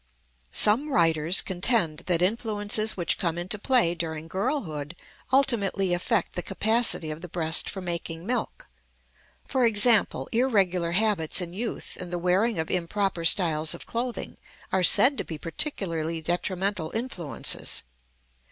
Some writers contend that influences which come into play during girlhood ultimately affect the capacity of the breast for making milk; for example, irregular habits in youth and the wearing of improper styles of clothing are said to be particularly detrimental influences.